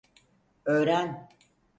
Öğren!